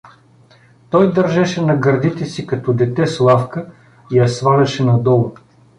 Той държеше на гърдите си като дете Славка и я сваляше надолу.